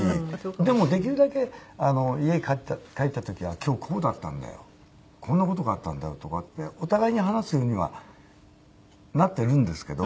でもできるだけ家帰った時は「今日こうだったんだよこんな事があったんだよ」とかってお互いに話すようにはなってるんですけど。